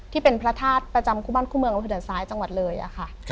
ที่เป็นพระทาสประจำคู่บ้านคู่เมืองตรึงจากซ้ายจังหวัดเลยค่ะครับ